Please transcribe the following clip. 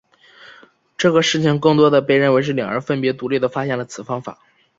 这个事情更多地被认为是两人分别独立地发现了此方法。